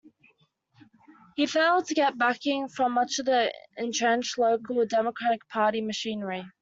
He failed to get backing from much of the entrenched local Democratic Party machinery.